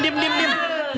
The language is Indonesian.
dim dim dim